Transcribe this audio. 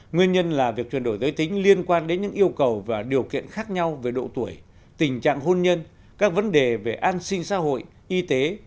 nguyên nhân là việc chuyển đổi giới tính liên quan đến những yêu cầu và điều kiện khác nhau về độ tuổi tình trạng hôn nhân các vấn đề về an sinh xã hội y tế